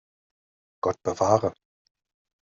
Gott bewahre!